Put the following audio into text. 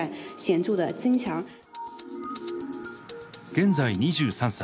現在２３歳。